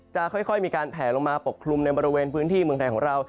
จะค่อยมีการแผลลงมาปกคลุมในบริเวณพื้นที่เมืองไทยของเรา